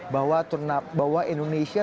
bahwa indonesia tersebut